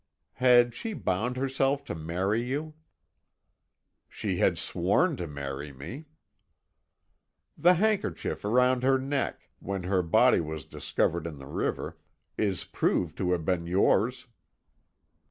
"Had she bound herself to marry you?" "She had sworn to marry me." "The handkerchief round her neck, when her body was discovered in the river, is proved to have been yours."